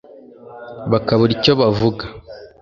Bakabura icyo bavuga